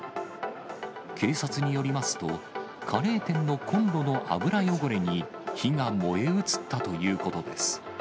警察によりますと、カレー店のコンロの油汚れに火が燃え移ったということです。